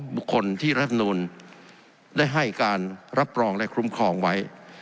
บุคคลที่รัฐมนูลได้ให้การรับรองและคุ้มครองไว้